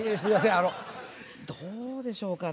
あのどうでしょうかね？